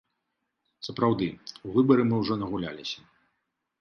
Сапраўды, у выбары мы ўжо нагуляліся.